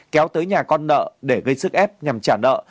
kéo tới nhà con nợ để gây sức ép nhằm trả nợ